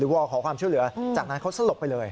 วอลขอความช่วยเหลือจากนั้นเขาสลบไปเลย